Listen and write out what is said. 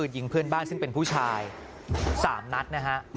ยิงเพื่อนบ้านซึ่งเป็นผู้ชาย๓นัดนะฮะ